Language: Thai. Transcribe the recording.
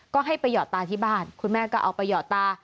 ก็ให้ไปหอดตาที่บ้านคุณแม่ก็เอาไปหยอดตา